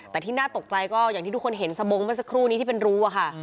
แต่ที่น่าตกใจก็อย่างที่ทุกคนเห็นสบงเมื่อสักครู่นี้ที่เป็นรูอะค่ะ